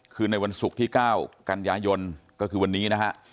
คือในวันศุกร์ที่๙กันยายนก็คือวันนี้นะฮะ